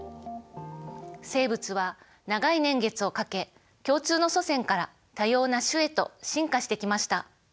生物は長い年月をかけ共通の祖先から多様な種へと進化してきました。